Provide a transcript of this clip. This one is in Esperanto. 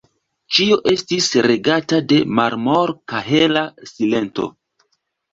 Ĉio estis regata de marmor-kahela silento.